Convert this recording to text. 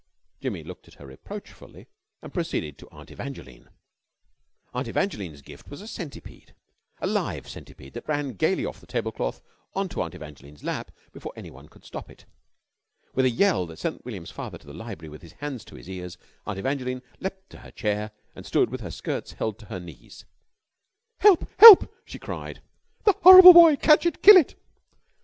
Jimmy looked at her reproachfully and proceeded to Aunt Evangeline. Aunt Evangeline's gift was a centipede a live centipede that ran gaily off the tablecloth on to Aunt Evangeline's lap before anyone could stop it. With a yell that sent William's father to the library with his hands to his ears, Aunt Evangeline leapt to her chair and stood with her skirts held to her knees. "Help! Help!" she cried. "The horrible boy! Catch it! Kill it!"